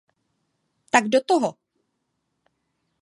Tak do toho!